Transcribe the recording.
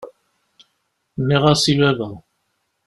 Nniɣ-as i baba.